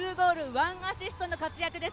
１アシストの活躍です。